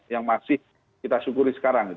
yang masih kita syukuri sekarang